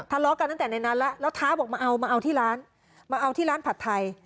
ทะเลาะกันตั้งแต่ในนั้นแล้วแล้วท้าบอกมาเอามาเอาที่ร้านมาเอาที่ร้านผัดไทย